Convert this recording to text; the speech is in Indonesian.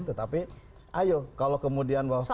tetapi ayo kalau kemudian bahwa